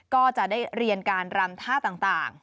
ก็จะได้เรียนการรำท่าต่าง